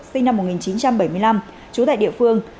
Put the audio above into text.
sinh năm một nghìn chín trăm bảy mươi năm trú tại địa phương